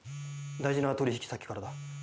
大事な取引先からだ。